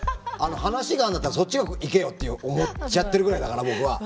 話があるんだったらそっちが行けよって思っちゃってるぐらいだから僕は。